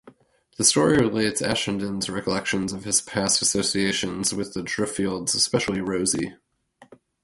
The story relates Ashenden's recollections of his past associations with the Driffield's, especially Rosie.